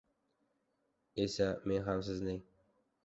— Esa, men ham sizning...